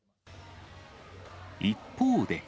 一方で。